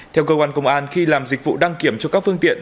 theo cơ quan công an khi làm dịch vụ đăng kiểm cho các phương tiện